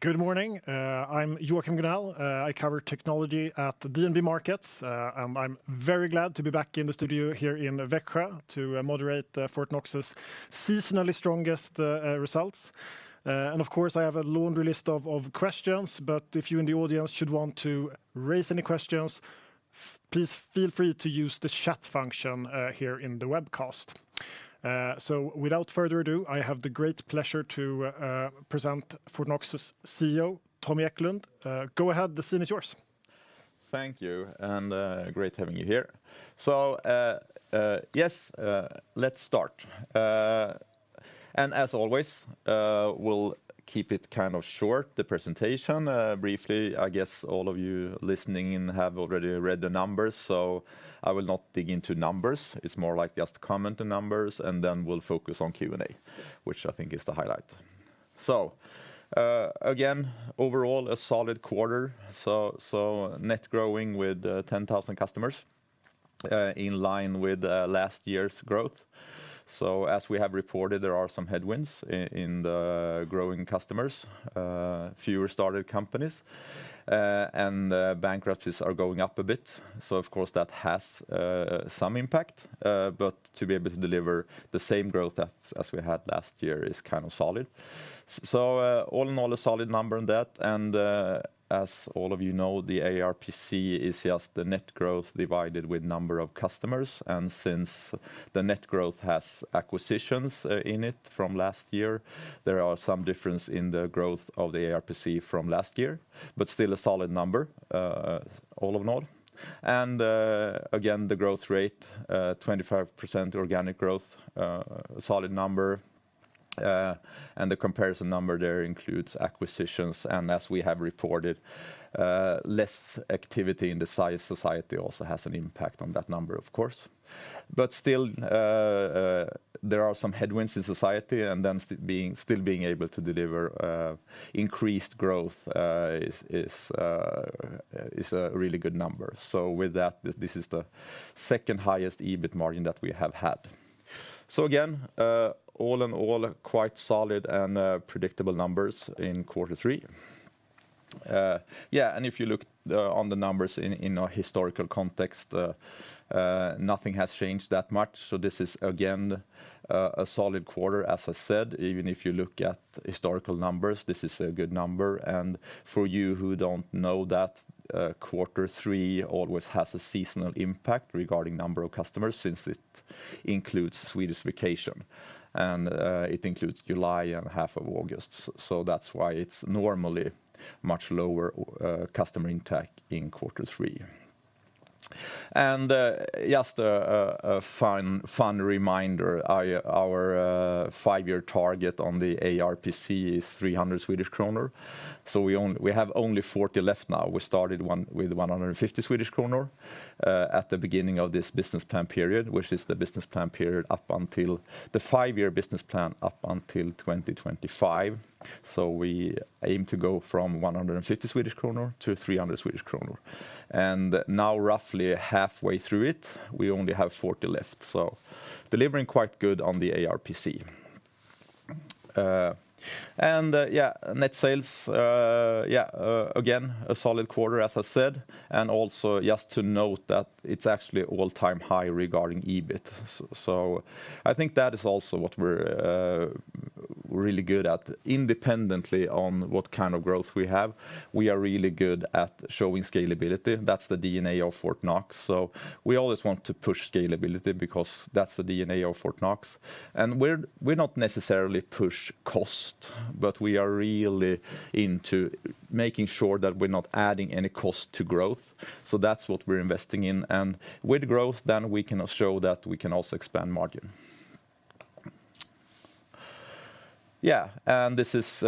Good morning. I'm Joachim Gunell. I cover technology at the DNB Markets. I'm very glad to be back in the studio here in Växjö to moderate Fortnox's seasonally strongest results. And of course, I have a laundry list of questions, but if you in the audience should want to raise any questions, please feel free to use the chat function here in the webcast. So without further ado, I have the great pleasure to present Fortnox's CEO, Tommy Eklund. Go ahead, the scene is yours. Thank you, and, great having you here. So, yes, let's start. As always, we'll keep it kind of short, the presentation. Briefly, I guess all of you listening in have already read the numbers, so I will not dig into numbers. It's more like just to comment the numbers, and then we'll focus on Q&A, which I think is the highlight. So, again, overall, a solid quarter, so net growing with 10,000 customers, in line with last year's growth. So as we have reported, there are some headwinds in the growing customers, fewer started companies, and the bankruptcies are going up a bit. So of course, that has some impact, but to be able to deliver the same growth as we had last year is kind of solid. So, all in all, a solid number in that, and, as all of you know, the ARPC is just the net growth divided with number of customers, and since the net growth has acquisitions in it from last year, there are some difference in the growth of the ARPC from last year, but still a solid number, all in all. Again, the growth rate, 25% organic growth, solid number, and the comparison number there includes acquisitions. As we have reported, less activity in this society also has an impact on that number, of course. But still, there are some headwinds in society, and then, still being able to deliver increased growth is a really good number. So with that, this is the second highest EBIT margin that we have had. So again, all in all, quite solid and predictable numbers in quarter three. Yeah, and if you look on the numbers in a historical context, nothing has changed that much. So this is, again, a solid quarter, as I said, even if you look at historical numbers, this is a good number. And for you who don't know that, quarter three always has a seasonal impact regarding number of customers, since it includes Swedish vacation, and it includes July and half of August. So that's why it's normally much lower customer intake in quarter three. And just a fun reminder, our five-year target on the ARPC is 300 Swedish kronor. So we only have 40 left now. We started with 150 Swedish kroner at the beginning of this business plan period, which is the business plan period up until the five-year business plan up until 2025. So we aim to go from 150 Swedish kronor to 300 Swedish kronor. And now, roughly halfway through it, we only have 40 left, so delivering quite good on the ARPC. And yeah, net sales, yeah, again, a solid quarter, as I said, and also just to note that it's actually all-time high regarding EBIT. So I think that is also what we're really good at. Independently on what kind of growth we have, we are really good at showing scalability. That's the DNA of Fortnox. So we always want to push scalability because that's the DNA of Fortnox. And we're not necessarily push cost, but we are really into making sure that we're not adding any cost to growth. So that's what we're investing in. And with growth, then we can now show that we can also expand margin. Yeah, and this is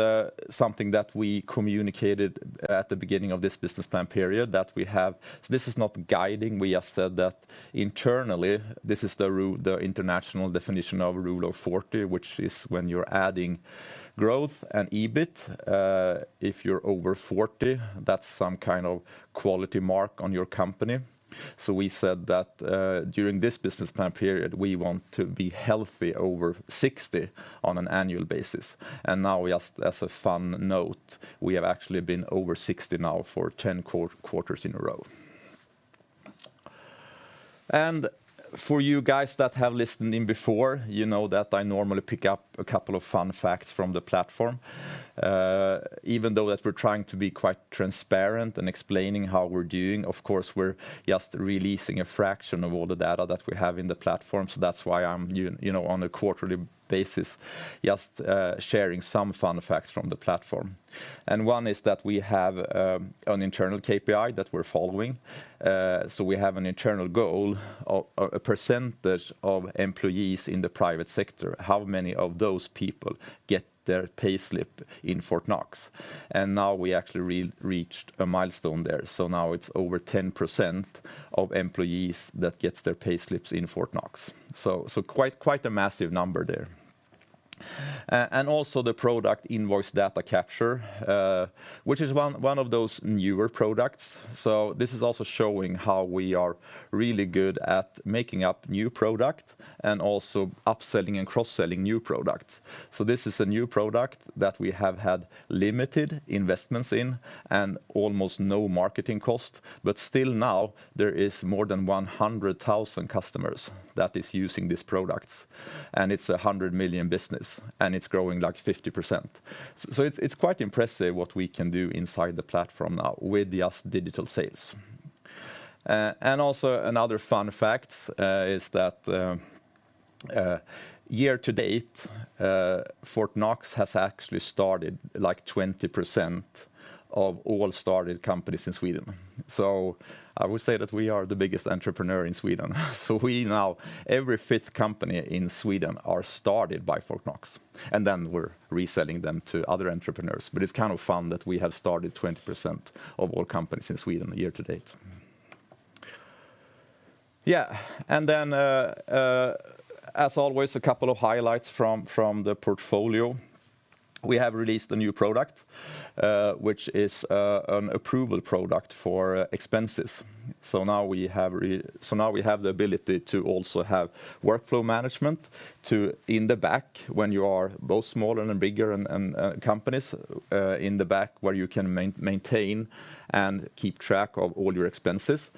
something that we communicated at the beginning of this business plan period that we have. So this is not guiding. We just said that internally, this is the rule, the international definition of Rule of 40, which is when you're adding growth and EBIT, if you're over 40, that's some kind of quality mark on your company. So we said that during this business plan period, we want to be healthy over 60 on an annual basis. And now, just as a fun note, we have actually been over 60 now for 10 quarters in a row. And for you guys that have listened in before, you know that I normally pick up a couple of fun facts from the platform. Even though that we're trying to be quite transparent in explaining how we're doing, of course, we're just releasing a fraction of all the data that we have in the platform. So that's why I'm, you know, on a quarterly basis, just sharing some fun facts from the platform. And one is that we have an internal KPI that we're following. So we have an internal goal of a percentage of employees in the private sector, how many of those people get their payslip in Fortnox? And now we actually reached a milestone there. So now it's over 10% of employees that gets their payslips in Fortnox. So quite a massive number there. And also the product Invoice Data Capture, which is one of those newer products. So this is also showing how we are really good at making up new product and also upselling and cross-selling new products. So this is a new product that we have had limited investments in and almost no marketing cost, but still now there is more than 100,000 customers that is using these products, and it's a 100 million business, and it's growing, like, 50%. So it's quite impressive what we can do inside the platform now with just digital sales. And also another fun fact is that year to date Fortnox has actually started, like, 20% of all started companies in Sweden. So I would say that we are the biggest entrepreneur in Sweden. So we now, every fifth company in Sweden are started by Fortnox, and then we're reselling them to other entrepreneurs, but it's kind of fun that we have started 20% of all companies in Sweden year to date. Yeah, and then as always, a couple of highlights from the portfolio. We have released a new product which is an approval product for expenses. So now we have the ability to also have workflow management to, in the back, when you are both smaller and bigger companies, in the back, where you can maintain and keep track of all your expenses,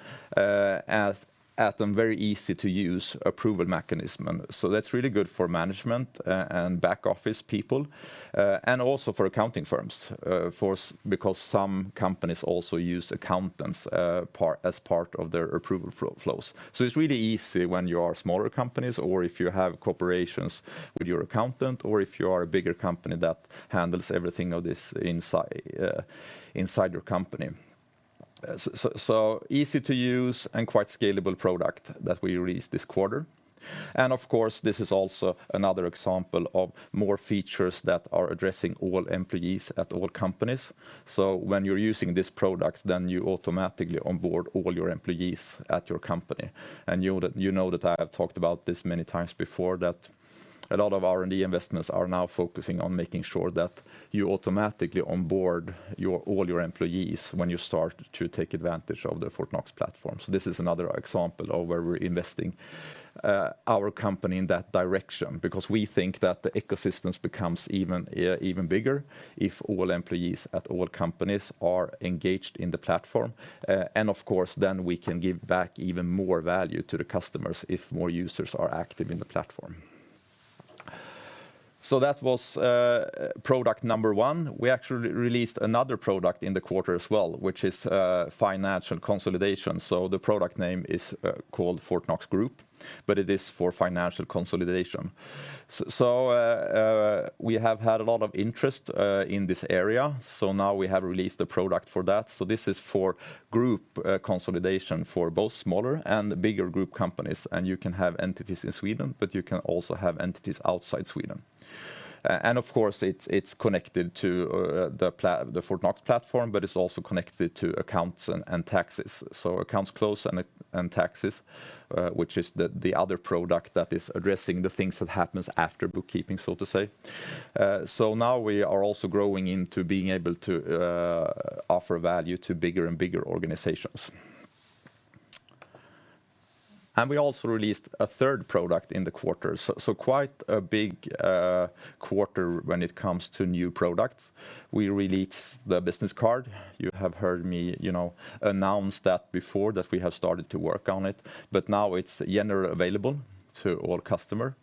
at a very easy-to-use approval mechanism. So that's really good for management and back office people, and also for accounting firms, because some companies also use accountants, as part of their approval flows. So it's really easy when you are smaller companies or if you have corporations with your accountant or if you are a bigger company that handles everything of this inside your company. So easy to use and quite scalable product that we released this quarter. Of course, this is also another example of more features that are addressing all employees at all companies. So when you're using these products, then you automatically onboard all your employees at your company. And you know that, you know that I have talked about this many times before, that a lot of R&D investments are now focusing on making sure that you automatically onboard all your employees when you start to take advantage of the Fortnox platform. So this is another example of where we're investing our company in that direction, because we think that the ecosystems becomes even bigger if all employees at all companies are engaged in the platform. And of course, then we can give back even more value to the customers if more users are active in the platform. So that was product number one. We actually released another product in the quarter as well, which is financial consolidation. So the product name is called Fortnox Group, but it is for financial consolidation. So we have had a lot of interest in this area, so now we have released a product for that. So this is for group consolidation for both smaller and bigger group companies, and you can have entities in Sweden, but you can also have entities outside Sweden. And of course, it's connected to the Fortnox platform, but it's also connected to accounts and taxes. So Accounts Close and Taxes, which is the other product that is addressing the things that happens after bookkeeping, so to say. So now we are also growing into being able to offer value to bigger and bigger organizations. And we also released a third product in the quarter, so quite a big quarter when it comes to new products. We released the business card. You have heard me, you know, announce that before, that we have started to work on it, but now it's generally available to all customer.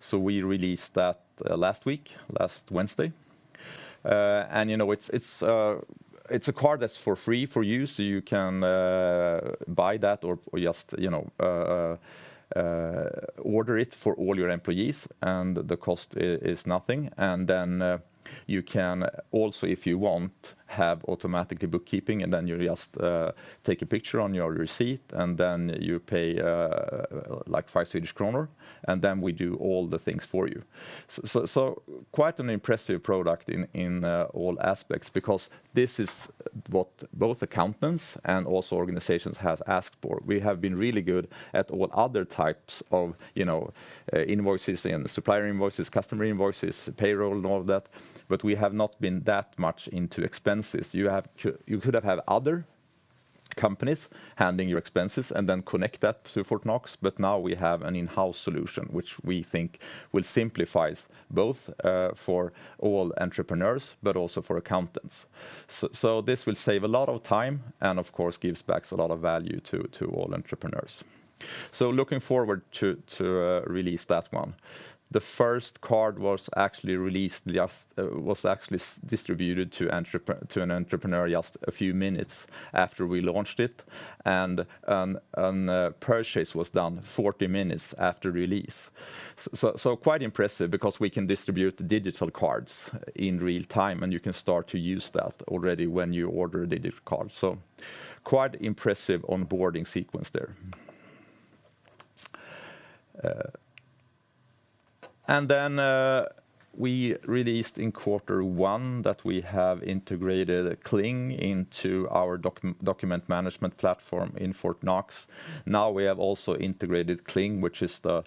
So we released that last week, last Wednesday. And, you know, it's a card that's for free for you, so you can buy that or just, you know, order it for all your employees, and the cost is nothing. And then, you can also, if you want, have automatically bookkeeping, and then you just take a picture on your receipt, and then you pay, like 5 Swedish kronor, and then we do all the things for you. So, so, so quite an impressive product in, in all aspects because this is what both accountants and also organizations have asked for. We have been really good at all other types of, you know, invoices and supplier invoices, customer invoices, payroll, and all of that, but we have not been that much into expenses. You have to, you could have had other companies handling your expenses and then connect that to Fortnox, but now we have an in-house solution, which we think will simplifies both, for all entrepreneurs, but also for accountants. So this will save a lot of time and, of course, gives back a lot of value to all entrepreneurs. So looking forward to release that one. The first card was actually released just, was actually distributed to an entrepreneur just a few minutes after we launched it, and a purchase was done 40 minutes after release. So quite impressive because we can distribute the digital cards in real time, and you can start to use that already when you order the digital card. So quite impressive onboarding sequence there. And then we released in quarter one that we have integrated Cling into our document management platform in Fortnox. Now we have also integrated Cling, which is the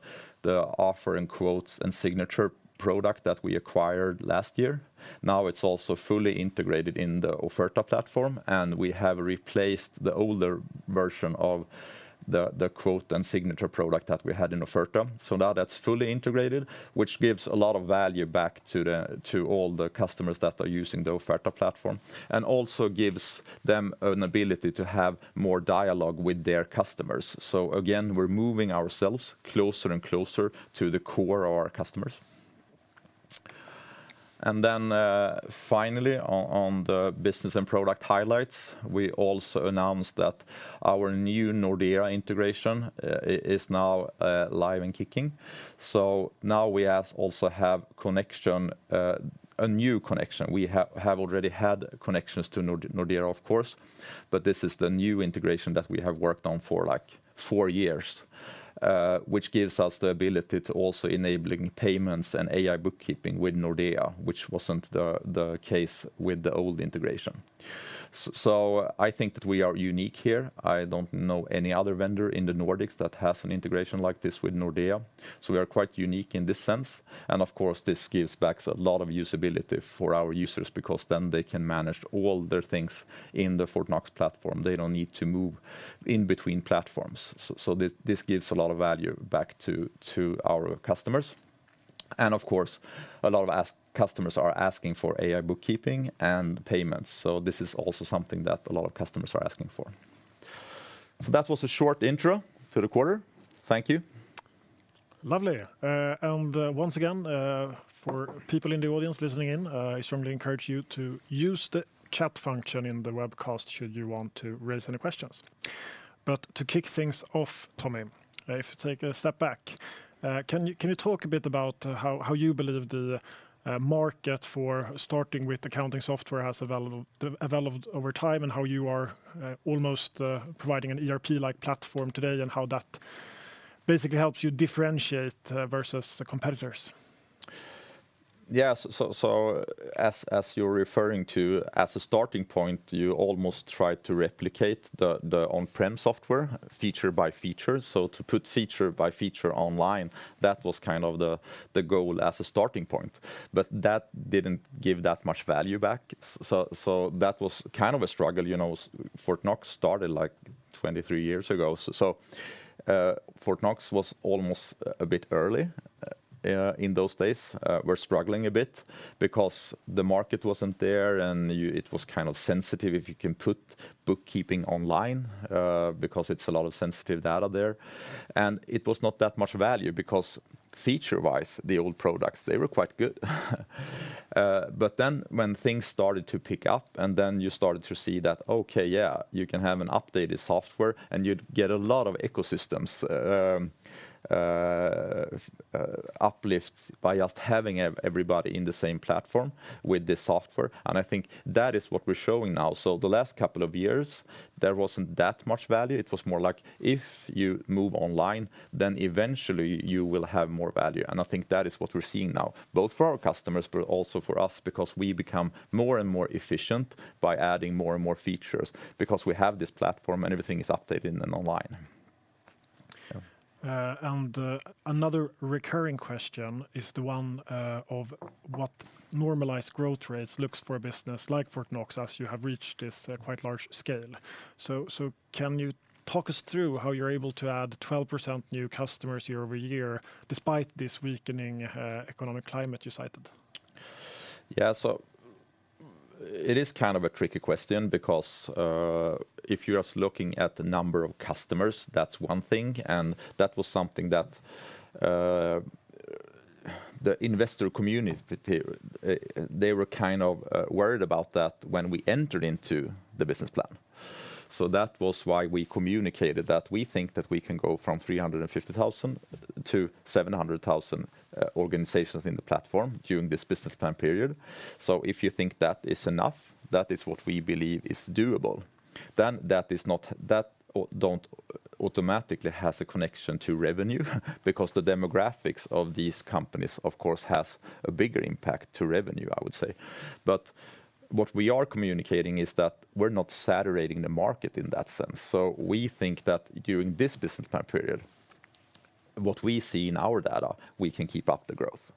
offer and quotes and signature product that we acquired last year. Now it's also fully integrated in the Offerta platform, and we have replaced the older version of the quote and signature product that we had in Offerta. So now that's fully integrated, which gives a lot of value back to all the customers that are using the Offerta platform, and also gives them an ability to have more dialogue with their customers. So again, we're moving ourselves closer and closer to the core of our customers. And then, finally, on the business and product highlights, we also announced that our new Nordea integration is now live and kicking. So now we have. Also have connection, a new connection. We have already had connections to Nordea, of course, but this is the new integration that we have worked on for, like, four years, which gives us the ability to also enabling payments and AI bookkeeping with Nordea, which wasn't the case with the old integration. So I think that we are unique here. I don't know any other vendor in the Nordics that has an integration like this with Nordea, so we are quite unique in this sense. And, of course, this gives back a lot of usability for our users, because then they can manage all their things in the Fortnox platform. They don't need to move in between platforms. So this gives a lot of value back to our customers. Of course, a lot of customers are asking for AI bookkeeping and payments, so this is also something that a lot of customers are asking for. So that was a short intro to the quarter. Thank you. Lovely. And, once again, for people in the audience listening in, I strongly encourage you to use the chat function in the webcast, should you want to raise any questions. But to kick things off, Tommy, if you take a step back, can you talk a bit about how you believe the market for starting with accounting software has developed over time, and how you are almost providing an ERP-like platform today, and how that basically helps you differentiate versus the competitors? Yeah, so as you're referring to, as a starting point, you almost try to replicate the on-prem software feature by feature. So to put feature by feature online, that was kind of the goal as a starting point, but that didn't give that much value back. So that was kind of a struggle, you know. Fortnox started, like, 23 years ago. So Fortnox was almost a bit early in those days. We're struggling a bit because the market wasn't there, and it was kind of sensitive if you can put bookkeeping online, because it's a lot of sensitive data there. And it was not that much value, because feature-wise, the old products, they were quite good. But then when things started to pick up, and then you started to see that, okay, yeah, you can have an updated software, and you'd get a lot of ecosystems, uplifts by just having everybody in the same platform with this software, and I think that is what we're showing now. So the last couple of years, there wasn't that much value. It was more like, if you move online, then eventually you will have more value, and I think that is what we're seeing now, both for our customers, but also for us, because we become more and more efficient by adding more and more features, because we have this platform and everything is updated and online. Yeah. Another recurring question is the one of what normalized growth rates looks like for a business like Fortnox, as you have reached this quite large scale. So, can you talk us through how you're able to add 12% new customers year-over-year, despite this weakening economic climate you cited? Yeah, so it is kind of a tricky question because if you're just looking at the number of customers, that's one thing, and that was something that the investor community they were kind of worried about that when we entered into the business plan. So that was why we communicated that we think that we can go from 350,000 to 700,000 organizations in the platform during this business plan period. So if you think that is enough, that is what we believe is doable, then that is not, that don't automatically has a connection to revenue, because the demographics of these companies, of course, has a bigger impact to revenue, I would say. But what we are communicating is that we're not saturating the market in that sense. So we think that during this business plan period, what we see in our data, we can keep up the growth.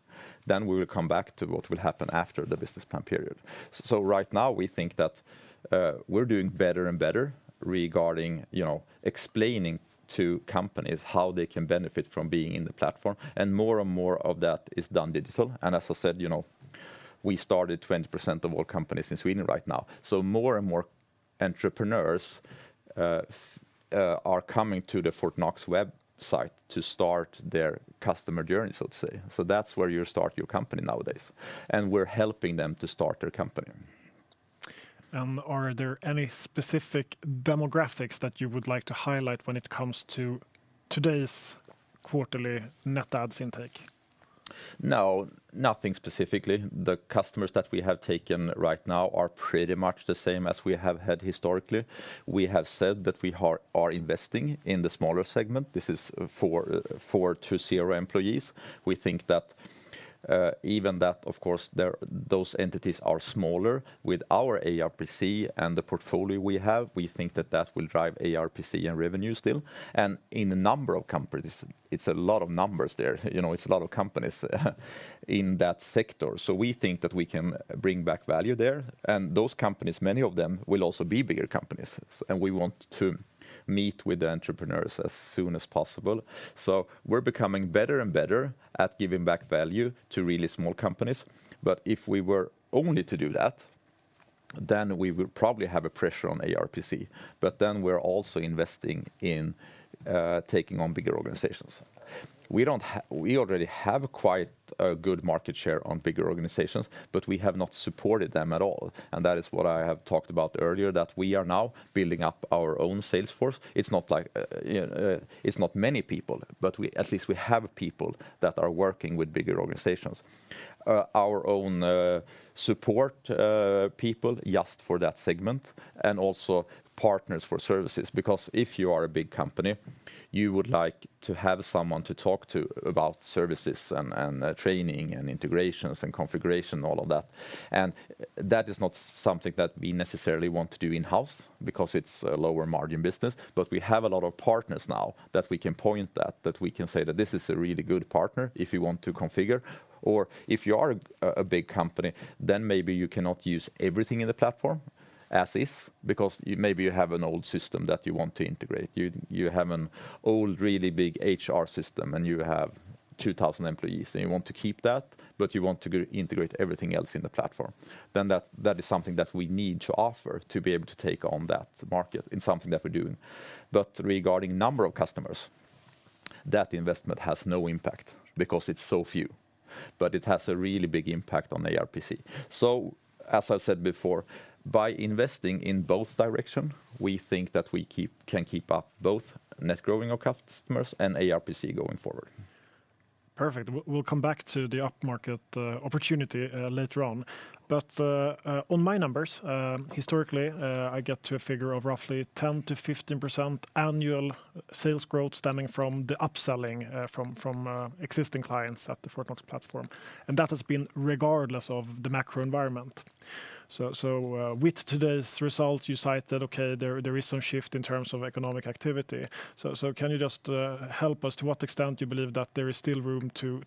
Then we will come back to what will happen after the business plan period. So, so right now, we think that, we're doing better and better regarding, you know, explaining to companies how they can benefit from being in the platform, and more and more of that is done digital. And as I said, you know, we started 20% of all companies in Sweden right now. So more and more entrepreneurs, are coming to the Fortnox website to start their customer journey, so to say. So that's where you start your company nowadays, and we're helping them to start their company. Are there any specific demographics that you would like to highlight when it comes to today's quarterly net adds intake? No, nothing specifically. The customers that we have taken right now are pretty much the same as we have had historically. We have said that we are investing in the smaller segment. This is four to zero employees. We think that even that, of course, those entities are smaller with our ARPC and the portfolio we have, we think that that will drive ARPC and revenue still. And in a number of companies, it's a lot of numbers there. You know, it's a lot of companies, in that sector. So we think that we can bring back value there. And those companies, many of them, will also be bigger companies, and we want to meet with the entrepreneurs as soon as possible. So we're becoming better and better at giving back value to really small companies. But if we were only to do that, then we will probably have a pressure on ARPC. But then we're also investing in taking on bigger organizations. We already have quite a good market share on bigger organizations, but we have not supported them at all, and that is what I have talked about earlier, that we are now building up our own sales force. It's not like, it's not many people, but at least we have people that are working with bigger organizations. Our own support people, just for that segment, and also partners for services. Because if you are a big company, you would like to have someone to talk to about services and, and, training and integrations and configuration, all of that. That is not something that we necessarily want to do in-house, because it's a lower margin business. We have a lot of partners now that we can point at, that we can say that this is a really good partner if you want to configure, or if you are a big company, then maybe you cannot use everything in the platform as is, because you maybe have an old system that you want to integrate. You have an old, really big HR system, and you have 2,000 employees, and you want to integrate everything else in the platform. That is something that we need to offer to be able to take on that market. It's something that we're doing. But regarding number of customers, that investment has no impact because it's so few, but it has a really big impact on ARPC. So as I said before, by investing in both direction, we think that we can keep up both net growing our customers and ARPC going forward. Perfect. We'll come back to the upmarket opportunity later on. But on my numbers, historically, I get to a figure of roughly 10% to 15% annual sales growth stemming from the upselling from existing clients at the Fortnox platform, and that has been regardless of the macro environment. So with today's results, you cited, okay, there is some shift in terms of economic activity. So can you just help us to what extent do you believe that there is still room to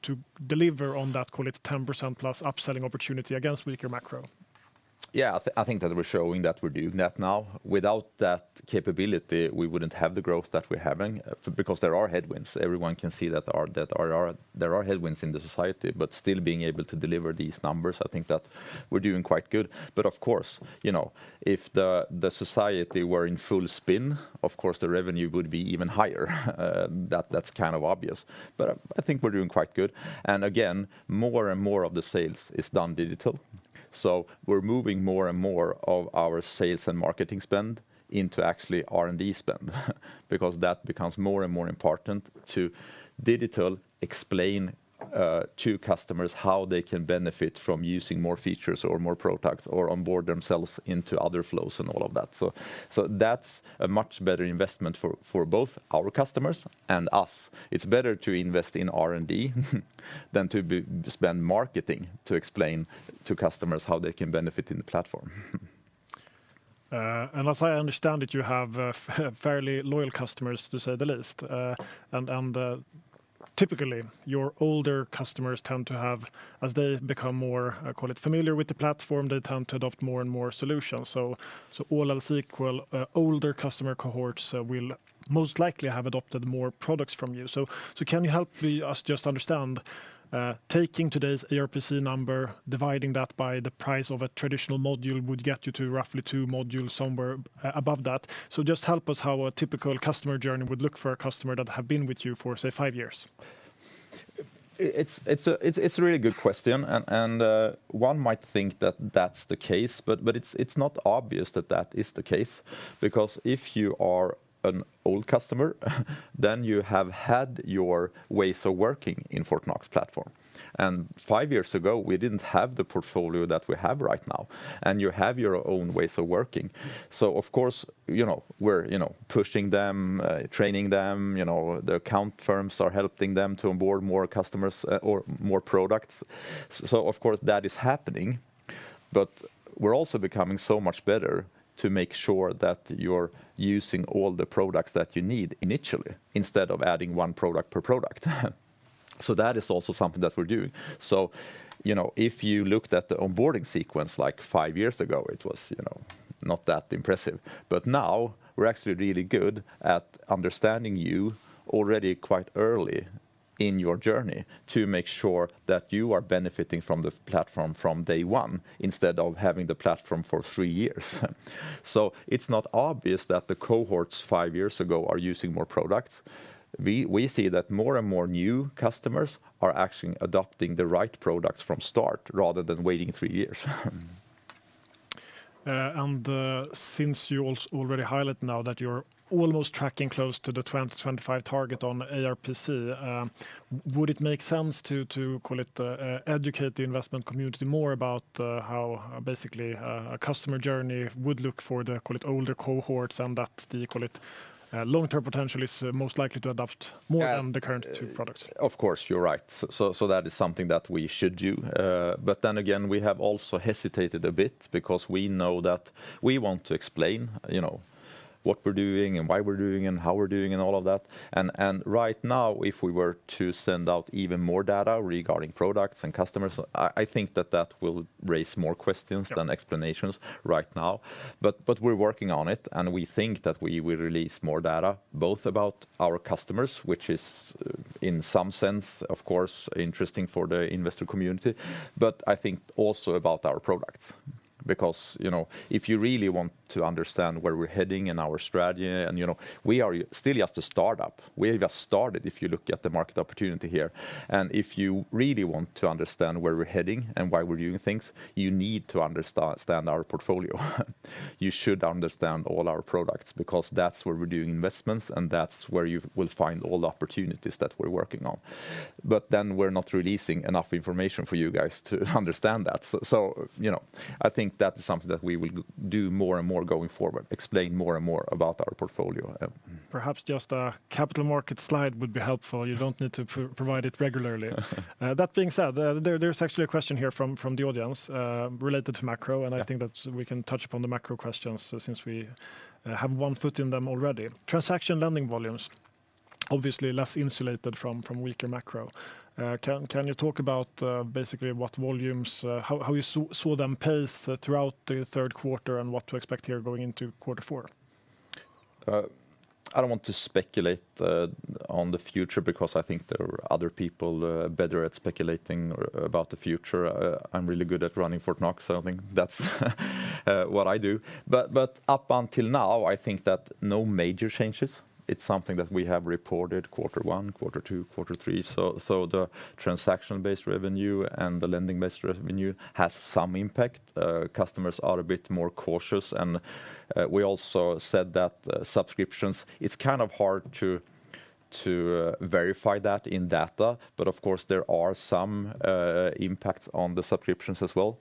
deliver on that, call it, 10%+ upselling opportunity against weaker macro? Yeah, I think that we're showing that we're doing that now. Without that capability, we wouldn't have the growth that we're having, because there are headwinds. Everyone can see that there are headwinds in the society, but still being able to deliver these numbers, I think that we're doing quite good. But of course, you know, if the society were in full spin, of course, the revenue would be even higher. That's kind of obvious, but I think we're doing quite good. And again, more and more of the sales is done digital. So we're moving more and more of our sales and marketing spend into actually R&D spend, because that becomes more and more important to digitally explain to customers how they can benefit from using more features or more products, or onboard themselves into other flows and all of that. So that's a much better investment for both our customers and us. It's better to invest in R&D than to spend marketing to explain to customers how they can benefit in the platform. And as I understand it, you have fairly loyal customers, to say the least. And typically, your older customers tend to have, as they become more call it familiar with the platform, they tend to adopt more and more solutions. So all else equal, older customer cohorts will most likely have adopted more products from you. So can you help me, us just understand, taking today's ARPC number, dividing that by the price of a traditional module, would get you to roughly two modules, somewhere above that. So just help us how a typical customer journey would look for a customer that have been with you for, say, five years. It's a really good question, and one might think that that's the case, but it's not obvious that that is the case. Because if you are an old customer, then you have had your ways of working in Fortnox platform. And five years ago, we didn't have the portfolio that we have right now, and you have your own ways of working. So of course, you know, we're, you know, pushing them, training them. You know, the accounting firms are helping them to onboard more customers, or more products. So of course, that is happening, but we're also becoming so much better to make sure that you're using all the products that you need initially, instead of adding one product per product. So that is also something that we're doing. So, you know, if you looked at the onboarding sequence like five years ago, it was, you know, not that impressive. But now we're actually really good at understanding you already quite early in your journey, to make sure that you are benefiting from the platform from day one, instead of having the platform for three years. So it's not obvious that the cohorts five years ago are using more products. We see that more and more new customers are actually adopting the right products from start, rather than waiting three years. And since you already highlight now that you're almost tracking close to the 2025 target on ARPC, would it make sense to call it educate the investment community more about how basically a customer journey would look for the call it older cohorts, and that the call it long-term potential is most likely to adopt more than the current two products? Of course, you're right. So that is something that we should do. But then again, we have also hesitated a bit because we know that we want to explain, you know, what we're doing and why we're doing and how we're doing, and all of that. And right now, if we were to send out even more data regarding products and customers, I think that that will raise more questions. Than explanations right now. But, but we're working on it, and we think that we will release more data, both about our customers, which is, in some sense, of course, interesting for the investor community, but I think also about our products. Because, you know, if you really want to understand where we're heading in our strategy, and, you know, we are still just a startup. We have just started, if you look at the market opportunity here. And if you really want to understand where we're heading and why we're doing things, you need to understand our portfolio. You should understand all our products, because that's where we're doing investments, and that's where you will find all the opportunities that we're working on. But then we're not releasing enough information for you guys to understand that. So, you know, I think that is something that we will do more and more going forward, explain more and more about our portfolio. Perhaps just a capital market slide would be helpful. You don't need to provide it regularly. That being said, there's actually a question here from the audience, related to macro, and I think that we can touch upon the macro questions since we have one foot in them already. Transaction lending volumes, obviously less insulated from weaker macro. Can you talk about basically what volumes how you saw them pace throughout the third quarter, and what to expect here going into quarter four? I don't want to speculate on the future, because I think there are other people better at speculating about the future. I'm really good at running Fortnox, so I think that's what I do. But up until now, I think that no major changes. It's something that we have reported quarter one, quarter two, quarter three. So the transaction-based revenue and the lending-based revenue has some impact. Customers are a bit more cautious, and we also said that subscriptions, it's kind of hard to verify that in data, but of course, there are some impacts on the subscriptions as well.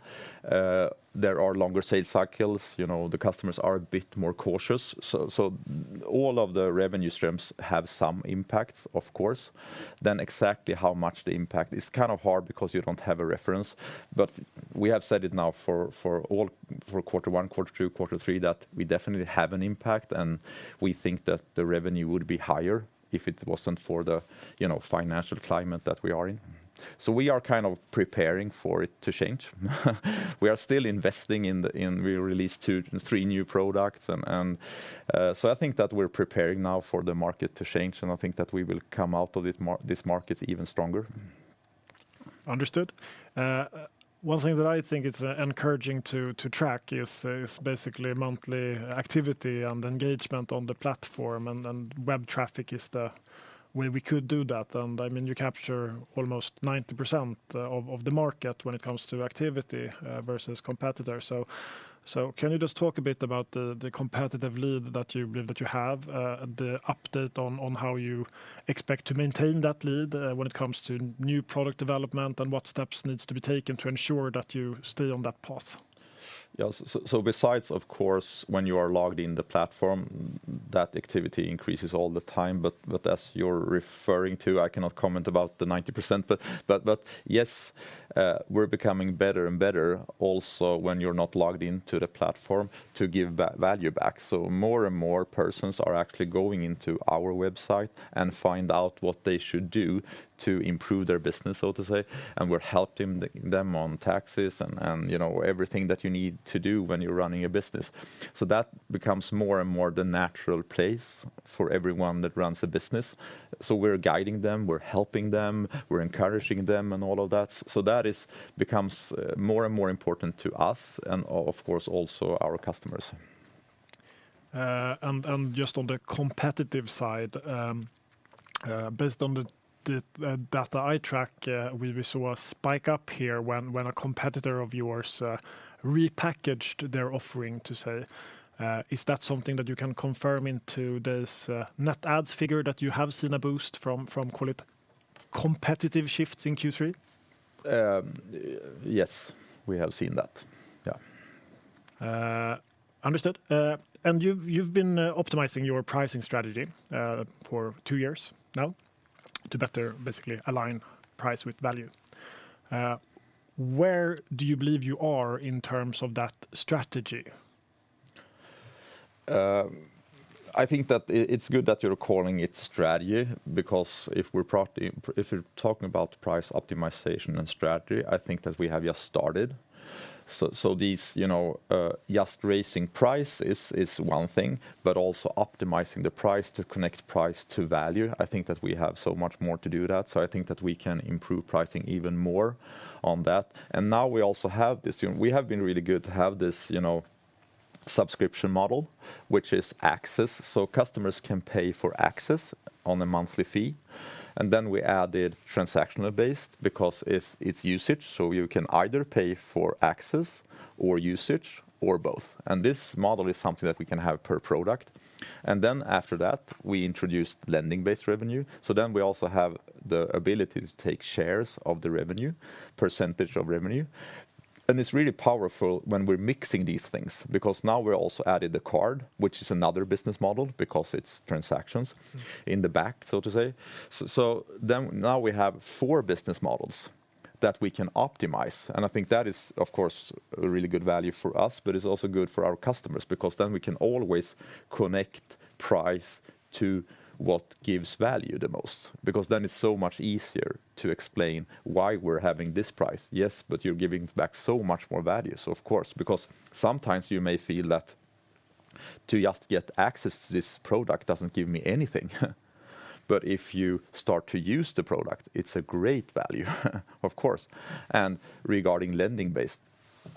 There are longer sales cycles. You know, the customers are a bit more cautious. So all of the revenue streams have some impacts, of course. Then exactly how much the impact, it's kind of hard because you don't have a reference. But we have said it now for quarter one, quarter two, quarter three, that we definitely have an impact, and we think that the revenue would be higher if it wasn't for the, you know, financial climate that we are in. So we are kind of preparing for it to change. We are still investing we released two, three new products. So I think that we're preparing now for the market to change, and I think that we will come out of this market even stronger. Understood. One thing that I think it's encouraging to track is basically monthly activity and engagement on the platform, and web traffic is the way we could do that. And I mean, you capture almost 90% of the market when it comes to activity versus competitors. So can you just talk a bit about the competitive lead that you believe that you have, the update on how you expect to maintain that lead when it comes to new product development, and what steps needs to be taken to ensure that you stay on that path? Yeah, so besides, of course, when you are logged in the platform, that activity increases all the time. But as you're referring to, I cannot comment about the 90%, but yes, we're becoming better and better also when you're not logged into the platform to give back value. So more and more persons are actually going into our website and find out what they should do to improve their business, so to say, and we're helping them on taxes and, you know, everything that you need to do when you're running a business. So that becomes more and more the natural place for everyone that runs a business. So we're guiding them, we're helping them, we're encouraging them, and all of that. So that becomes more and more important to us and, of course, also our customers. And just on the competitive side, based on the data I track, we saw a spike up here when a competitor of yours repackaged their offering to say, is that something that you can confirm into this net adds figure, that you have seen a boost from call it, competitive shifts in Q3? Yes, we have seen that. Yeah. Understood. And you've been optimizing your pricing strategy for two years now, to better basically align price with value. Where do you believe you are in terms of that strategy? I think that it, it's good that you're calling it strategy, because if we're talking about price optimization and strategy, I think that we have just started. So, these, you know, just raising price is one thing, but also optimizing the price to connect price to value, I think that we have so much more to do that. So I think that we can improve pricing even more on that. And now we also have this, you know. We have been really good to have this, you know, subscription model, which is access. So customers can pay for access on a monthly fee, and then we added transactional-based, because it's usage, so you can either pay for access or usage or both. And this model is something that we can have per product. And then after that, we introduced lending-based revenue, so then we also have the ability to take shares of the revenue, percentage of revenue. And it's really powerful when we're mixing these things, because now we're also adding the card, which is another business model, because it's transactions in the back, so to say. So then now we have four business models that we can optimize, and I think that is, of course, a really good value for us, but it's also good for our customers, because then we can always connect price to what gives value the most. Because then it's so much easier to explain why we're having this price. Yes, but you're giving back so much more value," so of course, because sometimes you may feel that to just get access to this product doesn't give me anything, but if you start to use the product, it's a great value, of course. And regarding lending-based,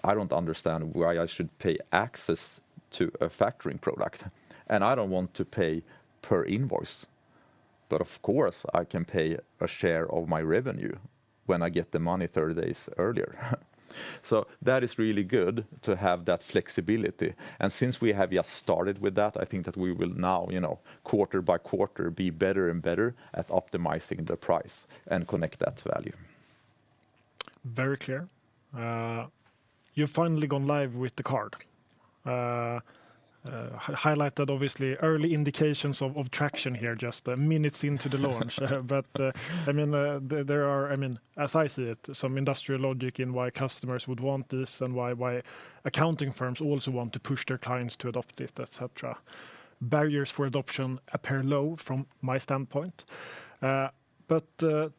I don't understand why I should pay access to a factoring product, and I don't want to pay per invoice, but of course, I can pay a share of my revenue when I get the money 30 days earlier. So that is really good to have that flexibility, and since we have just started with that, I think that we will now, you know, quarter by quarter, be better and better at optimizing the price and connect that value. Very clear. You've finally gone live with the card. Highlighted, obviously, early indications of traction here just minutes into the launch. But, I mean, there, there are. I mean, as I see it, some industrial logic in why customers would want this and why accounting firms also want to push their clients to adopt it, et cetera. Barriers for adoption appear low from my standpoint. But,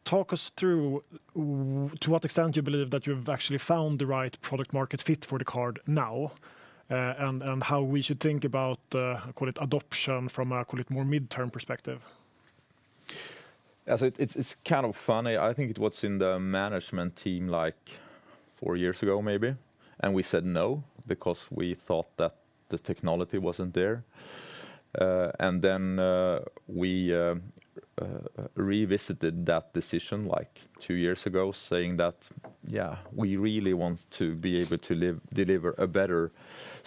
talk us through to what extent you believe that you've actually found the right product-market fit for the card now, and how we should think about, call it, adoption from a, call it, more midterm perspective. Yeah, so it's kind of funny. I think it was in the management team, like, four years ago maybe, and we said no, because we thought that the technology wasn't there. And then, we revisited that decision, like, two years ago, saying that, "Yeah, we really want to be able to deliver a better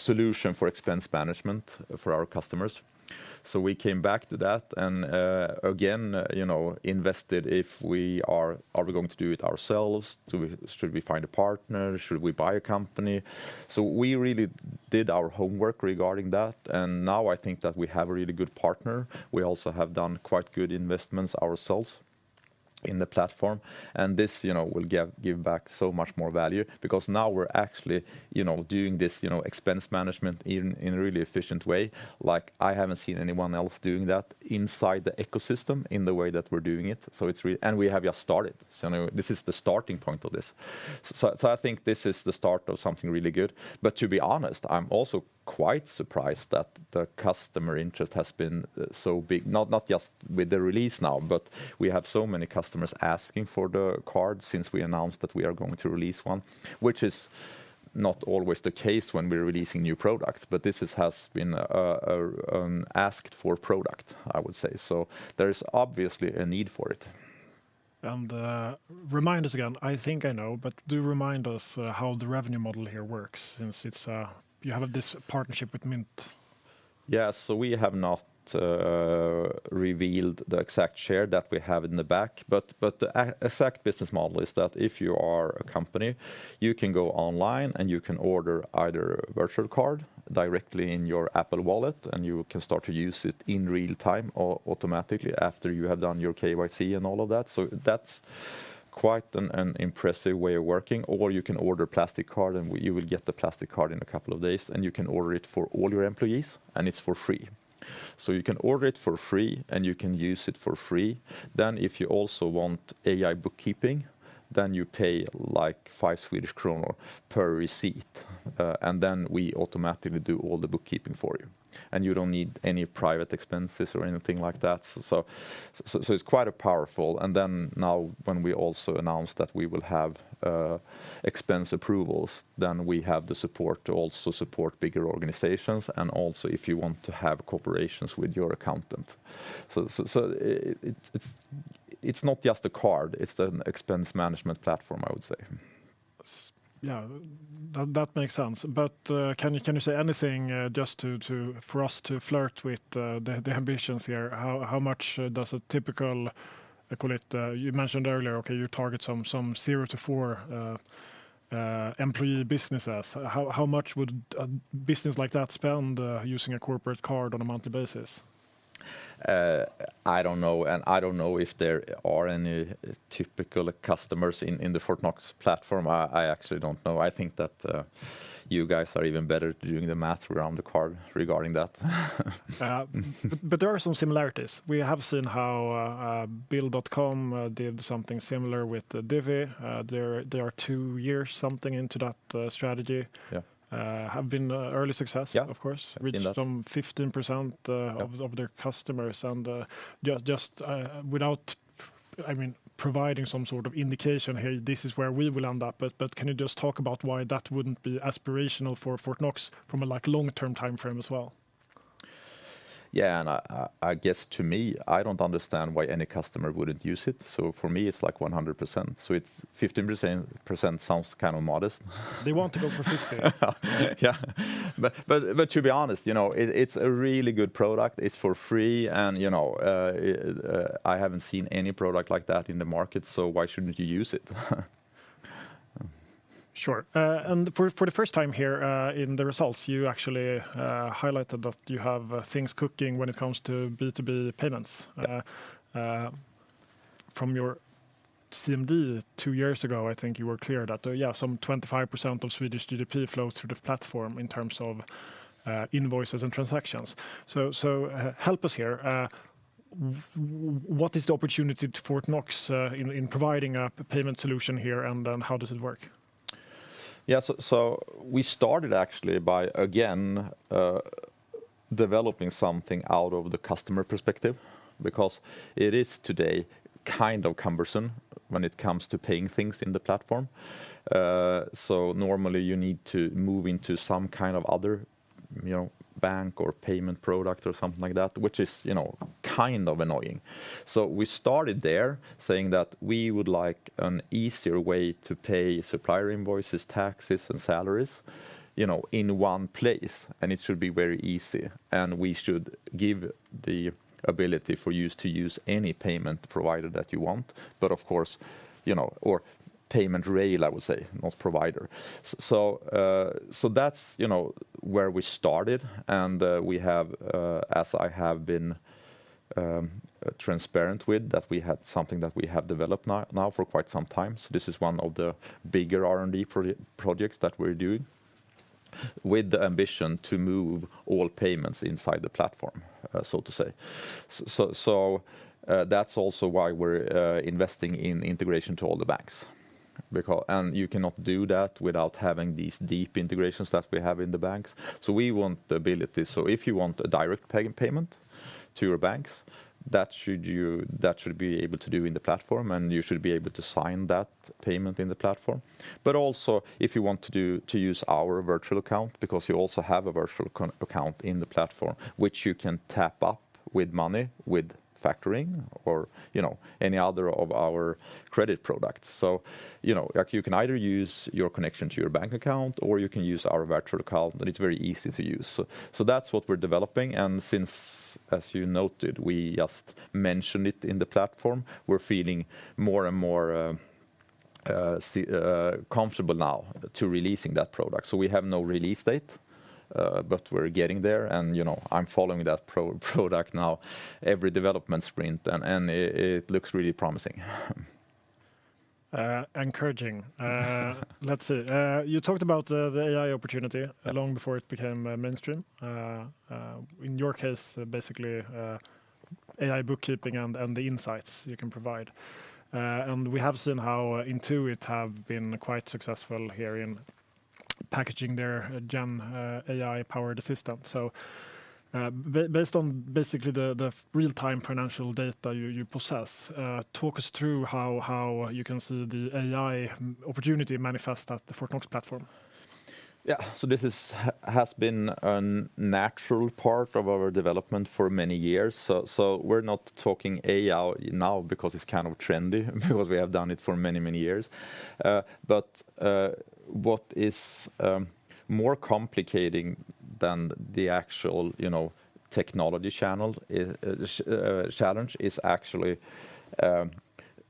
solution for expense management for our customers." So we came back to that, and again, you know, invested if we are we going to do it ourselves? Should we find a partner? Should we buy a company? So we really did our homework regarding that, and now I think that we have a really good partner. We also have done quite good investments ourselves in the platform, and this, you know, will give back so much more value. Because now we're actually, you know, doing this, you know, expense management in a really efficient way, like, I haven't seen anyone else doing that inside the ecosystem in the way that we're doing it. So it's and we have just started, so, you know, this is the starting point of this. So I think this is the start of something really good. But to be honest, I'm also quite surprised that the customer interest has been so big. Not just with the release now, but we have so many customers asking for the card since we announced that we are going to release one, which is not always the case when we're releasing new products. But this is has been an asked-for product, I would say. So there is obviously a need for it. Remind us again, I think I know, but do remind us how the revenue model here works, since it's, you have this partnership with Mynt? Yeah, so we have not revealed the exact share that we have in the back, but the exact business model is that if you are a company, you can go online, and you can order either a virtual card directly in your Apple Wallet, and you can start to use it in real time or automatically after you have done your KYC and all of that. So that's quite an impressive way of working. Or you can order a plastic card, and you will get the plastic card in a couple of days, and you can order it for all your employees, and it's for free. So you can order it for free, and you can use it for free. Then, if you also want AI bookkeeping, then you pay, like, 5 Swedish kronor per receipt, and then we automatically do all the bookkeeping for you, and you don't need any private expenses or anything like that. So it's quite a powerful. And then now, when we also announced that we will have expense approvals, then we have the support to also support bigger organizations and also if you want to have cooperation with your accountant. So it's not just a card, it's an expense management platform, I would say. Yeah, that, that makes sense. But, can you, can you say anything, just to, for us to flirt with, the, the ambitions here? How, how much, does a typical, call it, you mentioned earlier, okay, you target some, some zero to four employee businesses. How, how much would a business like that spend, using a corporate card on a monthly basis? I don't know, and I don't know if there are any typical customers in the Fortnox platform. I actually don't know. I think that, you guys are even better at doing the math around the card regarding that. But, but there are some similarities. We have seen how, Bill.com, did something similar with Divvy. They are, they are two years, something into that, strategy. Yeah. Have been early success? Yeah. Of course. Yeah. Reached from 15%. Of their customers, and just, I mean, providing some sort of indication, "Hey, this is where we will end up." But can you just talk about why that wouldn't be aspirational for Fortnox from a like long-term timeframe as well? Yeah, and I guess to me, I don't understand why any customer wouldn't use it, so for me it's like 100%. So it's 15% sounds kind of modest. They want to go for 50. Yeah. But to be honest, you know, it's a really good product. It's for free, and you know, I haven't seen any product like that in the market, so why shouldn't you use it? Sure. And for the first time here, in the results, you actually highlighted that you have things cooking when it comes to B2B payments. Yeah. From your CMD two years ago, I think you were clear that, yeah, some 25% of Swedish GDP flow through the platform in terms of, invoices and transactions. So, help us here, what is the opportunity to Fortnox in providing a payment solution here, and then how does it work? Yeah, so, so we started actually by, again, developing something out of the customer perspective, because it is today kind of cumbersome when it comes to paying things in the platform. So normally you need to move into some kind of other, you know, bank or payment product or something like that, which is, you know, kind of annoying. So we started there, saying that we would like an easier way to pay supplier invoices, taxes, and salaries, you know, in one place, and it should be very easy. And we should give the ability for you to use any payment provider that you want. But of course, you know or payment rail, I would say, not provider. So that's, you know, where we started, and we have, as I have been transparent with, that we had something that we have developed now for quite some time. So this is one of the bigger R&D projects that we're doing, with the ambition to move all payments inside the platform, so to say. So that's also why we're investing in integration to all the banks, because and you cannot do that without having these deep integrations that we have in the banks. So we want the ability. So if you want a direct payment to your banks, that should be able to do in the platform, and you should be able to sign that payment in the platform. But also, if you want to use our virtual account, because you also have a virtual account in the platform, which you can top up with money, with factoring, or, you know, any other of our credit products. So, you know, like, you can either use your connection to your bank account, or you can use our virtual account, and it's very easy to use. So that's what we're developing, and since, as you noted, we just mentioned it in the platform, we're feeling more and more comfortable now to releasing that product. So we have no release date, but we're getting there, and, you know, I'm following that product now, every development sprint, and it looks really promising. Encouraging. Let's see. You talked about the AI opportunity. Long before it became mainstream. In your case, basically, AI bookkeeping and the Insights you can provide. And we have seen how Intuit have been quite successful here in packaging their Gen AI-powered assistant. So, based on basically the real-time financial data you possess, talk us through how you can see the AI opportunity manifest at the Fortnox platform. Yeah, so this is, has been a natural part of our development for many years. So, we're not talking AI now because it's kind of trendy, because we have done it for many, many years. But what is more complicated than the actual, you know, technology challenge is actually,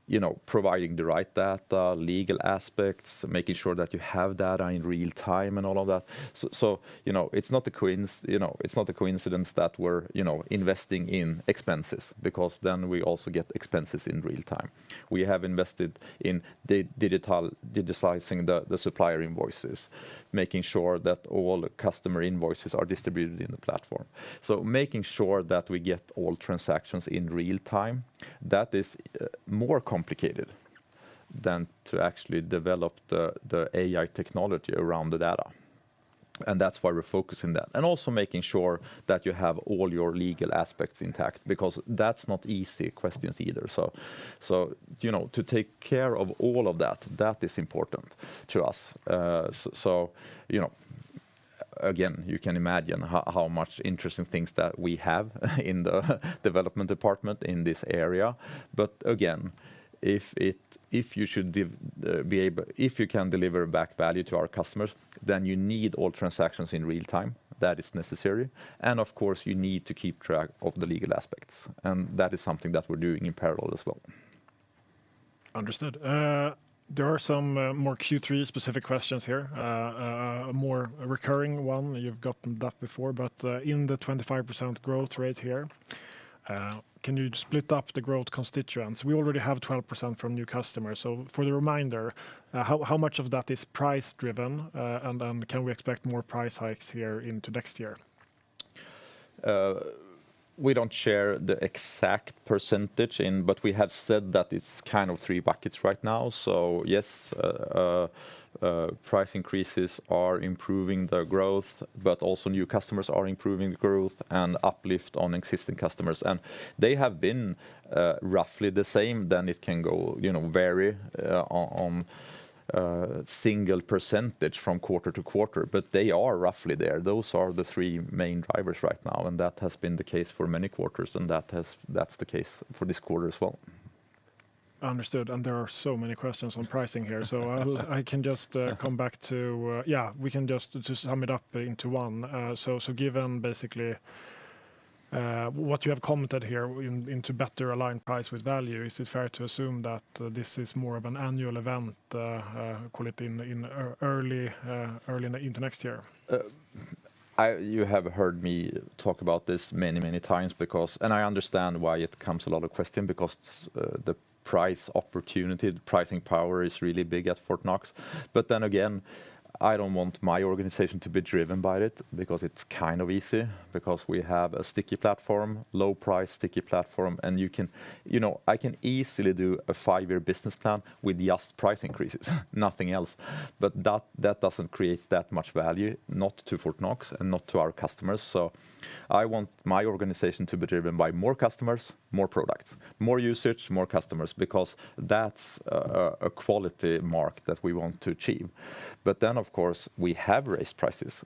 you know, providing the right data, legal aspects, making sure that you have data in real time, and all of that. So, you know, it's not a coincidence, you know, it's not a coincidence that we're, you know, investing in expenses, because then we also get expenses in real time. We have invested in the digitizing the supplier invoices, making sure that all the customer invoices are distributed in the platform. So making sure that we get all transactions in real time, that is more complicated than to actually develop the AI technology around the data, and that's why we're focusing that. And also making sure that you have all your legal aspects intact, because that's not easy questions either. So, you know, to take care of all of that, that is important to us. So, you know, again, you can imagine how much interesting things that we have in the development department in this area. But again, if you can deliver back value to our customers, then you need all transactions in real time. That is necessary. And of course, you need to keep track of the legal aspects, and that is something that we're doing in parallel as well. Understood. There are some more Q3 specific questions here. A more recurring one, you've gotten that before, but in the 25% growth rate here, can you split up the growth constituents? We already have 12% from new customers. So for the remainder, how much of that is price-driven, and can we expect more price hikes here into next year? We don't share the exact percentage in, but we have said that it's kind of three buckets right now. So yes, price increases are improving the growth, but also new customers are improving the growth and uplift on existing customers. And they have been, roughly the same, then it can go, you know, vary, on, single percentage from quarter to quarter, but they are roughly there. Those are the three main drivers right now, and that has been the case for many quarters, and that has- that's the case for this quarter as well. Understood, and there are so many questions on pricing here. So I'll, I can just, Come back to, yeah, we can just, just sum it up into one. So, so given basically, what you have commented here in, into better align price with value, is it fair to assume that, this is more of an annual event, call it in, in early- early into next year? You have heard me talk about this many, many times because and I understand why it comes a lot of question, because the price opportunity, the pricing power is really big at Fortnox. But then again, I don't want my organization to be driven by it, because it's kind of easy, because we have a sticky platform, low price, sticky platform, and you can. You know, I can easily do a five-year business plan with just price increases, nothing else. But that, that doesn't create that much value, not to Fortnox and not to our customers. So I want my organization to be driven by more customers, more products, more usage, more customers, because that's a quality mark that we want to achieve. But then, of course, we have raised prices,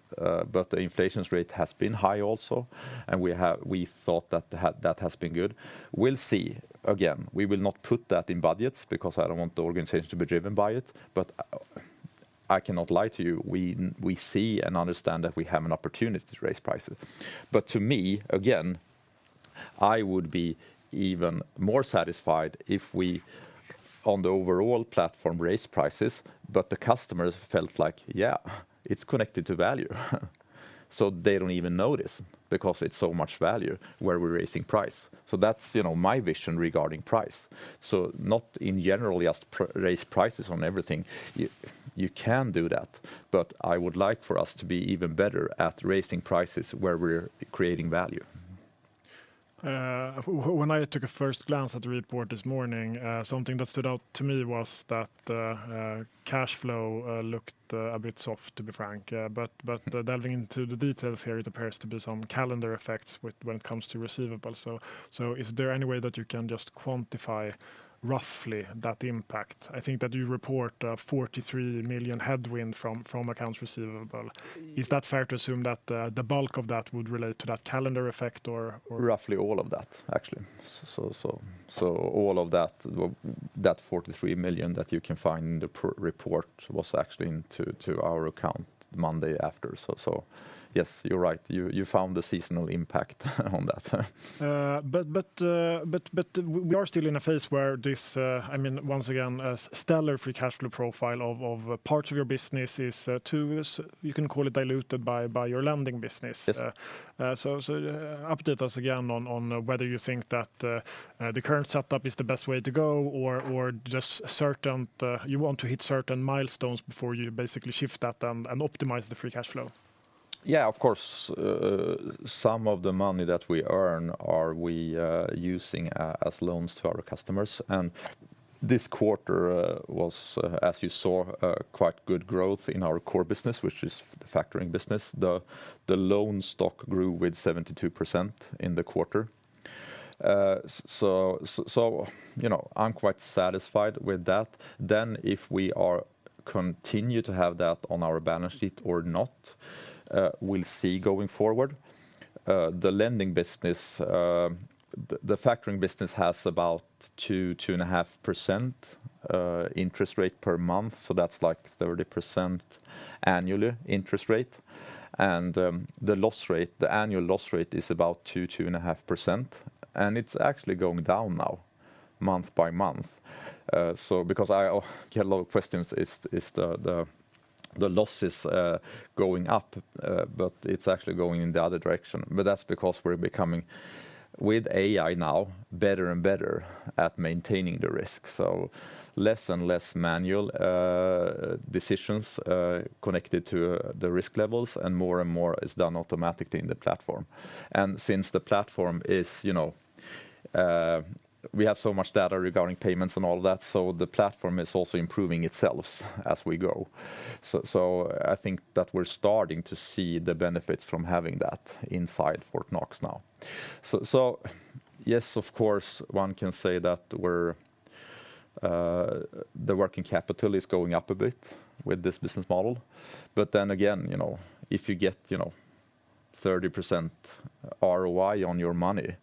but the inflation rate has been high also, and we thought that had, that has been good. We'll see. Again, we will not put that in budgets because I don't want the organization to be driven by it. But, I cannot lie to you, we see and understand that we have an opportunity to raise prices. But to me, again, I would be even more satisfied if we, on the overall platform, raise prices, but the customers felt like, "Yeah, it's connected to value." So they don't even notice because it's so much value where we're raising price. So that's, you know, my vision regarding price. So not to generally just raise prices on everything. You, you can do that, but I would like for us to be even better at raising prices where we're creating value. When I took a first glance at the report this morning, something that stood out to me was that cash flow looked a bit soft, to be frank. But delving into the details here, it appears to be some calendar effects with when it comes to receivables. So is there any way that you can just quantify roughly that impact? I think that you report 43 million headwind from accounts receivable. Is that fair to assume that, the bulk of that would relate to that calendar effect, or? Roughly all of that, actually. So, all of that, that 43 million that you can find in the presentation report was actually into our account Monday after. So, yes, you're right. You found the seasonal impact on that. But we are still in a phase where this, I mean, once again, a stellar free cash flow profile of parts of your business is too, you can call it diluted by your lending business. Yeah. So, update us again on whether you think that the current setup is the best way to go, or just certain you want to hit certain milestones before you basically shift that and optimize the free cash flow? Yeah, of course. Some of the money that we earn are we using as loans to our customers. And this quarter was, as you saw, a quite good growth in our core business, which is the factoring business. The loan stock grew with 72% in the quarter. So, you know, I'm quite satisfied with that. Then if we continue to have that on our balance sheet or not, we'll see going forward. The lending business, the factoring business has about 2% to 2.5% interest rate per month, so that's like 30% annually interest rate. And, the loss rate, the annual loss rate is about 2% to 2.5%, and it's actually going down now, month-by-month. So because I get a lot of questions, are the losses going up? But it's actually going in the other direction. But that's because we're becoming, with AI now, better and better at maintaining the risk. So less and less manual decisions connected to the risk levels, and more and more is done automatically in the platform. And since the platform is, you know, we have so much data regarding payments and all that, so the platform is also improving itself as we go. So I think that we're starting to see the benefits from having that inside Fortnox now. So yes, of course, one can say that we're the working capital is going up a bit with this business model. But then again, you know, if you get, you know, 30% ROI on your money,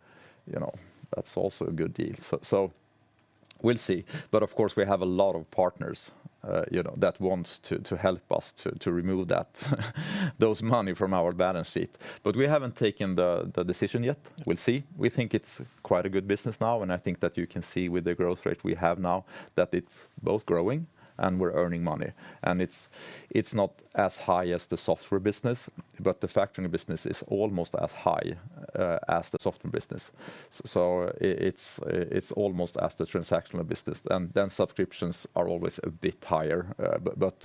you know, that's also a good deal. So, so we'll see. But of course, we have a lot of partners, you know, that wants to, to help us to, to remove that, those money from our balance sheet. But we haven't taken the, the decision yet. We'll see. We think it's quite a good business now, and I think that you can see with the growth rate we have now, that it's both growing and we're earning money. And it's not as high as the software business, but the factoring business is almost as high as the software business. So it's almost as the transactional business. And then subscriptions are always a bit higher, but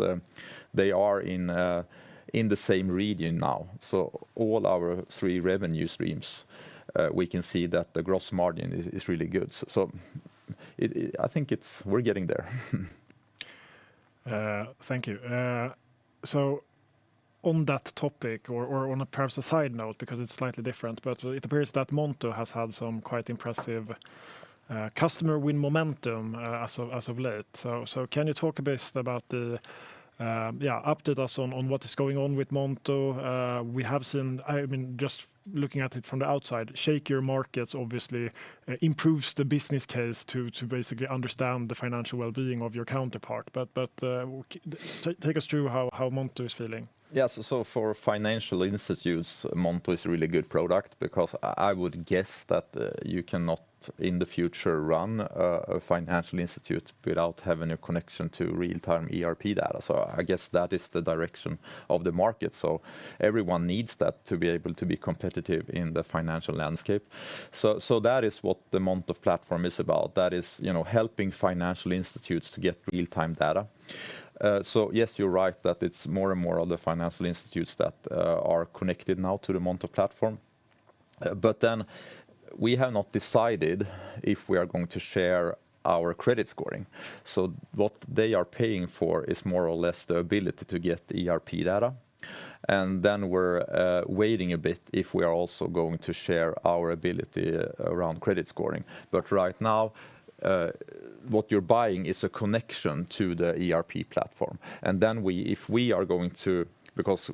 they are in the same region now. So all our three revenue streams, we can see that the gross margin is really good. I think we're getting there. Thank you. So on that topic or on a perhaps a side note, because it's slightly different, but it appears that Monto has had some quite impressive customer win momentum as of late. So can you talk a bit about the yeah update us on what is going on with Monto? We have seen. I mean, just looking at it from the outside, shakier markets obviously improves the business case to basically understand the financial well-being of your counterpart. But take us through how Monto is feeling. Yes. So for financial institutions, Monto is a really good product because I, I would guess that you cannot, in the future, run a financial institution without having a connection to real-time ERP data. So I guess that is the direction of the market. So everyone needs that to be able to be competitive in the financial landscape. So, so that is what the Monto platform is about. That is, you know, helping financial institutions to get real-time data. So yes, you're right that it's more and more of the financial institutions that are connected now to the Monto platform. But then we have not decided if we are going to share our credit scoring. So what they are paying for is more or less the ability to get the ERP data, and then we're waiting a bit if we are also going to share our ability around credit scoring. But right now, what you're buying is a connection to the ERP platform. And then if we are going to. Because,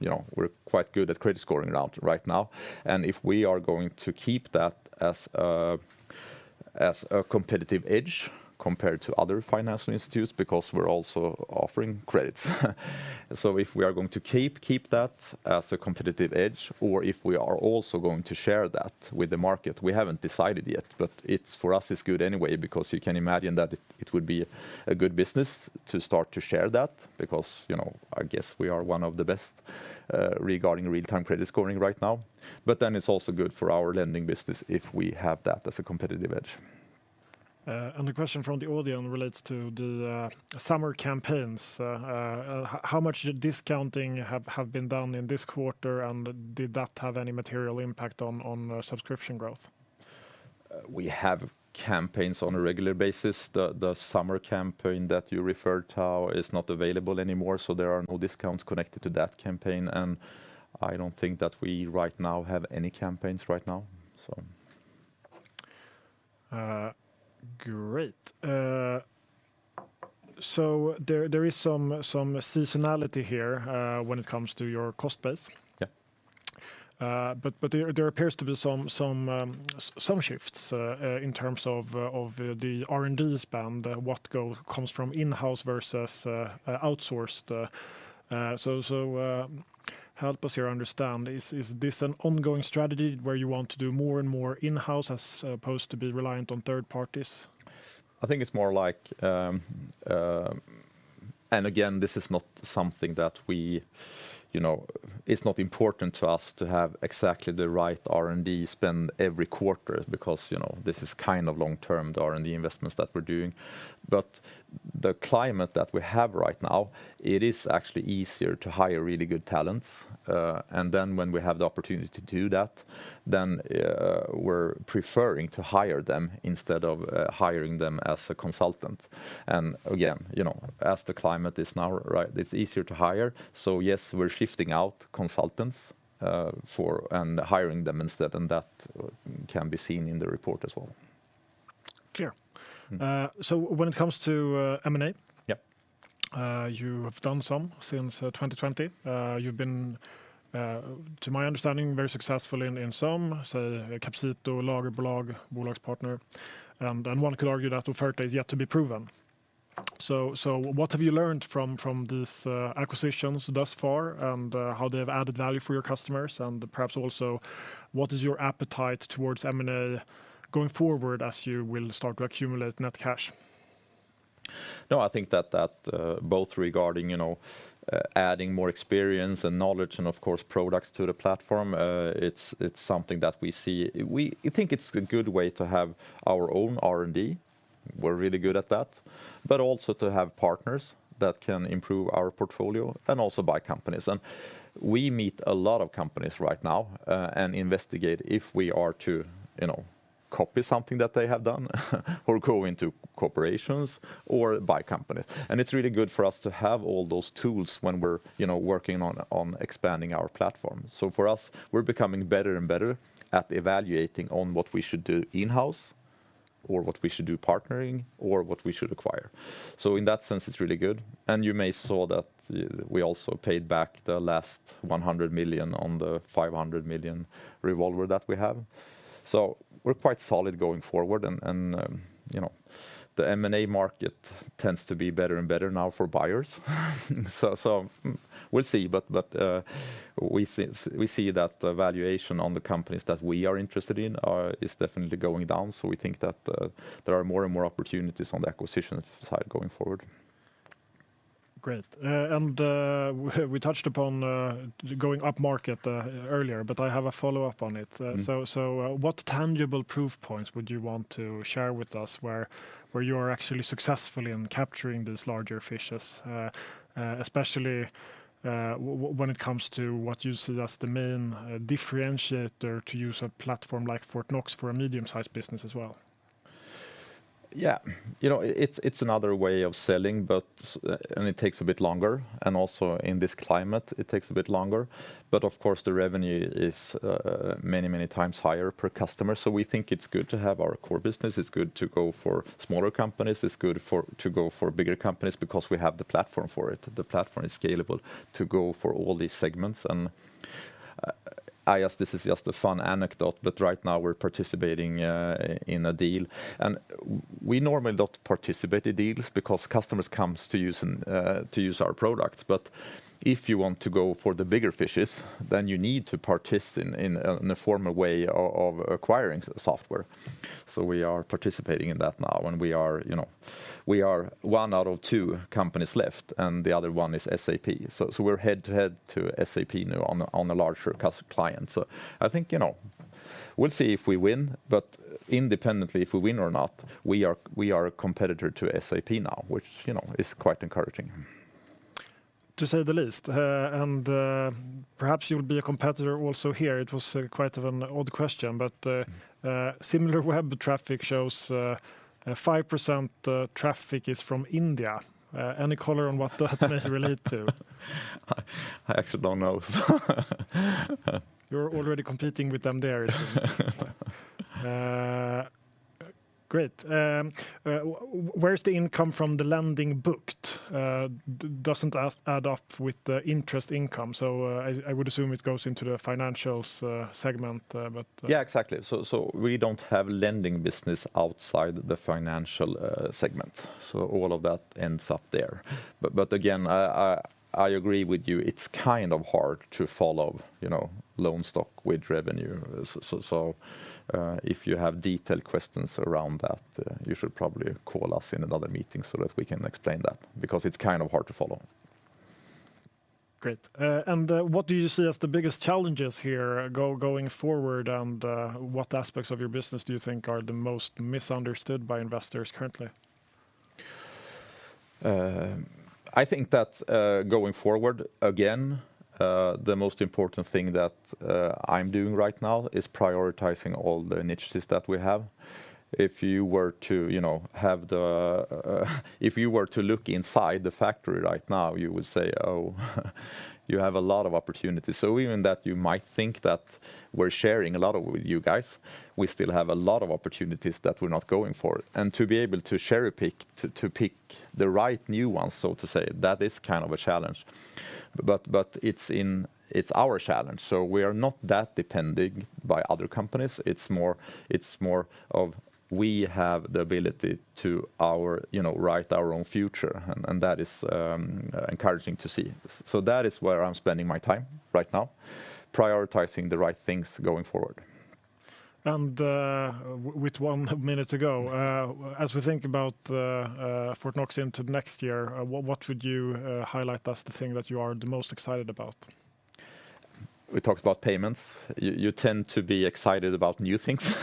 you know, we're quite good at credit scoring around right now, and if we are going to keep that as a competitive edge compared to other financial institutions, because we're also offering credits. So if we are going to keep, keep that as a competitive edge, or if we are also going to share that with the market, we haven't decided yet, but it's, for us, it's good anyway, because you can imagine that it, it would be a good business to start to share that because, you know, I guess we are one of the best regarding real-time credit scoring right now. But then it's also good for our lending business if we have that as a competitive edge. The question from the audience relates to the summer campaigns. How much discounting have been done in this quarter, and did that have any material impact on subscription growth? We have campaigns on a regular basis. The summer campaign that you referred to is not available anymore, so there are no discounts connected to that campaign, and I don't think that we, right now, have any campaigns right now, so. Great. So there is some seasonality here, when it comes to your cost base. Yeah. But there appears to be some shifts in terms of the R&D spend, what comes from in-house versus outsourced. So help us here understand. Is this an ongoing strategy where you want to do more and more in-house, as opposed to be reliant on third parties? I think it's more like. And again, this is not something that we, you know, it's not important to us to have exactly the right R&D spend every quarter because, you know, this is kind of long-term, the R&D investments that we're doing. But the climate that we have right now, it is actually easier to hire really good talents. And then when we have the opportunity to do that, then, we're preferring to hire them instead of hiring them as a consultant. And again, you know, as the climate is now, right, it's easier to hire, so yes, we're shifting out consultants for and hiring them instead, and that can be seen in the report as well. Clear. Mm-hmm. So when it comes to M&A? Yeah. You have done some since 2020. You've been, to my understanding, very successful in some, say, Capcito, Lagerbolag, Bolagspartner, and one could argue that Offerta is yet to be proven. So what have you learned from these acquisitions thus far, and how they have added value for your customers? And perhaps also, what is your appetite towards M&A going forward, as you will start to accumulate net cash? No, I think that both regarding, you know, adding more experience and knowledge, and of course, products to the platform, it's something that we see. I think it's a good way to have our own R&D, we're really good at that, but also to have partners that can improve our portfolio and also buy companies. We meet a lot of companies right now, and investigate if we are to, you know, copy something that they have done, or go into corporations, or buy companies. It's really good for us to have all those tools when we're, you know, working on expanding our platform. So for us, we're becoming better and better at evaluating on what we should do in-house, or what we should do partnering, or what we should acquire. So in that sense, it's really good. And you may saw that, we also paid back the last 100 million on the 500 million revolver that we have. So we're quite solid going forward, and, and, you know, the M&A market tends to be better and better now for buyers. So, so we'll see. But, but, we see, we see that the valuation on the companies that we are interested in are, is definitely going down, so we think that, there are more and more opportunities on the acquisition side going forward. Great. And we touched upon going upmarket earlier, but I have a follow-up on it. Mm-hmm. So, what tangible proof points would you want to share with us, where you are actually successful in capturing these larger fishes, especially when it comes to what you see as the main differentiator to use a platform like Fortnox for a medium-sized business as well? Yeah, you know, it's, it's another way of selling, but and it takes a bit longer, and also in this climate, it takes a bit longer. But of course, the revenue is many, many times higher per customer, so we think it's good to have our core business. It's good to go for smaller companies. It's good to go for bigger companies because we have the platform for it. The platform is scalable to go for all these segments, and I guess this is just a fun anecdote, but right now we're participating in a deal, and we normally don't participate in deals because customers comes to use to use our products. But if you want to go for the bigger fishes, then you need to participate in a formal way of acquiring software. So we are participating in that now, and we are, you know, we are one out of two companies left, and the other one is SAP. So, so we're head-to-head to SAP now on a, on a larger client. So I think, you know, we'll see if we win, but independently if we win or not, we are, we are a competitor to SAP now, which, you know, is quite encouraging. To say the least. Perhaps you'll be a competitor also here. It was quite an odd question, but Similarweb traffic shows 5% traffic is from India. Any color on what that may relate to? I actually don't know. You're already competing with them there, it seems. Great. Where's the income from the lending booked? Doesn't add up with the interest income, so I would assume it goes into the financials segment, but Yeah, exactly. So we don't have lending business outside the financial segment, so all of that ends up there. But again, I agree with you, it's kind of hard to follow, you know, loan stock with revenue. So, if you have detailed questions around that, you should probably call us in another meeting so that we can explain that, because it's kind of hard to follow. Great. And what do you see as the biggest challenges here going forward, and what aspects of your business do you think are the most misunderstood by investors currently? I think that, going forward, again, the most important thing that I'm doing right now is prioritizing all the initiatives that we have. If you were to, you know, have the... If you were to look inside the factory right now, you would say, "Oh, you have a lot of opportunities." Even that you might think that we're sharing a lot of it with you guys, we still have a lot of opportunities that we're not going for. To be able to cherry-pick, to pick the right new ones, so to say, that is kind of a challenge. It's our challenge, so we are not that dependent on other companies. It's more, it's more of we have the ability to, you know, write our own future, and that is encouraging to see. That is where I'm spending my time right now, prioritizing the right things going forward. With one minute to go, as we think about Fortnox into next year, what would you highlight as the thing that you are the most excited about? We talked about payments. You, you tend to be excited about new things,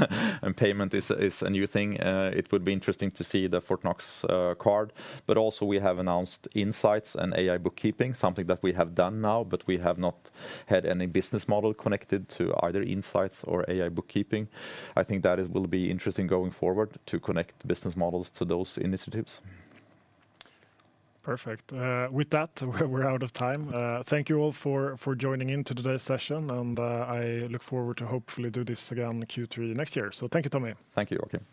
and payment is a new thing. It would be interesting to see the Fortnox card, but also we have announced insights and AI bookkeeping, something that we have done now, but we have not had any business model connected to either insights or AI bookkeeping. I think that it will be interesting going forward to connect the business models to those initiatives. Perfect. With that, we're out of time. Thank you all for, for joining in to today's session, and I look forward to hopefully do this again Q3 next year. So thank you, Tommy. Thank you, Joachim.